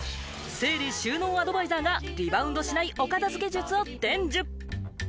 整理収納アドバイザーがリバウンドしないお片付け術を伝授。